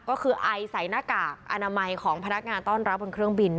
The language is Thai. ก็คือไอใส่หน้ากากอนามัยของพนักงานต้อนรับบนเครื่องบิน